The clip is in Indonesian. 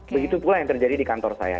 begitu pula yang terjadi di kantor saya